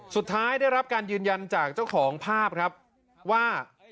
สุดท้ายได้รับการยืนยันจากเจ้าของภาพครับว่า